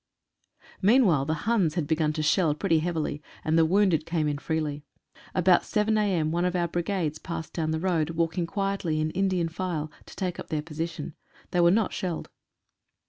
Meanwhile the Huns had begun to shell pretty heavily, and the wounded came in freely. About 7 a.m. one of our Brigades passed down the road, walking quietly in Indian file, to take up their position. They were not shelled.